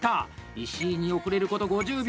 石井に遅れること５０秒！